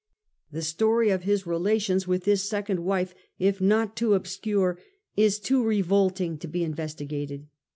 The story of his relations with this second wife, if not too obscure, is too revolting to be investigated.